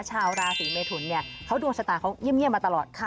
ชาวราศรีเมทุนเขาดวงชะตาเงียบมาตลอด